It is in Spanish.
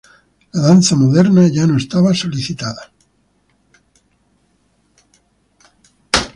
La danza moderna ya no estaba solicitada.